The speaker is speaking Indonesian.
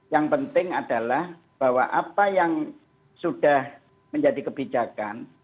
yang penting adalah bahwa apa yang sudah menjadi kebijakan